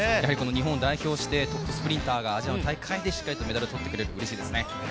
日本を代表してトップスプリンターがアジアの大会でメダルを取ってくれる、うれしいですね。